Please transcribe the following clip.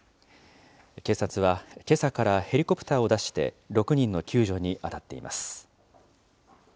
警察はけさからヘリコプターを出して、６人の救助に当たっています。